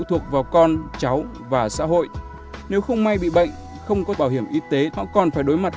thuộc vào con cháu và xã hội nếu không may bị bệnh không có bảo hiểm y tế họ còn phải đối mặt